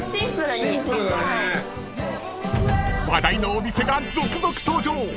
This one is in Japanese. ［話題のお店が続々登場］